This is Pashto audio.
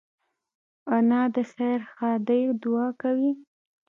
انا د خیر ښادۍ دعا کوي